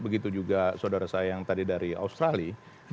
begitu juga saudara saya yang tadi dari australia